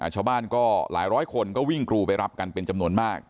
ชาวบ้านก็หลายร้อยคนก็วิ่งกรูไปรับกันเป็นจำนวนมาก